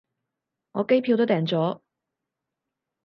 我機票都訂咗